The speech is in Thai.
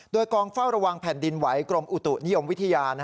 โดยกองเฝ้าระวังแผ่นดินไหวกรมอุตุนิยมวิทยา